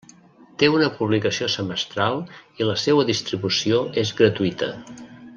Té una publicació semestral i la seua distribució és gratuïta.